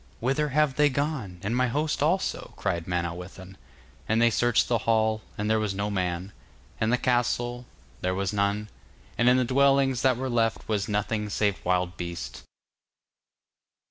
'Whither have they gone, and my host also?' cried Manawyddan, and they searched the hall, and there was no man, and the castle, and there was none, and in the dwellings that were left was nothing save wild beasts.